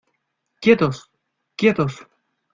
¡ quietos!... ¡ quietos !...